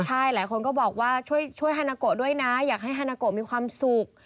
ใช่หลายคนก็บอกว่าช่วยฮานาโกะด้วยนะอยากให้ฮานาโกมีความสุข